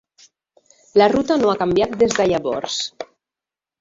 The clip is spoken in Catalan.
La ruta no ha canviat des de llavors.